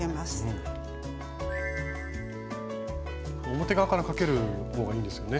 表側からかける方がいいんですよね。